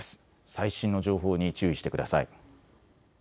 最新の情報に注意してください。